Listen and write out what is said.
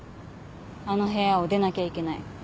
あの部屋を出なきゃいけない。